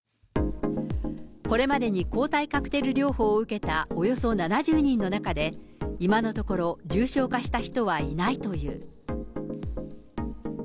これまでに抗体カクテル療法を受けたおよそ７０人の中で、今のところ、重症化した人はいないという。